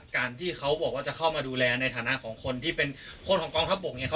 การที่เขาบอกว่าจะเข้ามาดูแลในฐานะของคนที่เป็นคนของกองทัพบกเนี่ย